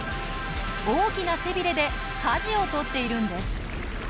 大きな背ビレでかじを取っているんです。